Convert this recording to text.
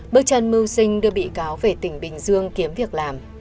bước chân mưu sinh đưa bị cáo về tỉnh bình dương kiếm việc làm